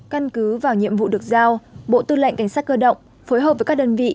căn cứ vào nhiệm vụ được giao bộ tư lệnh cảnh sát cơ động phối hợp với các đơn vị